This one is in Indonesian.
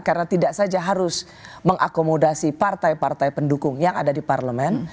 karena tidak saja harus mengakomodasi partai partai pendukung yang ada di parlemen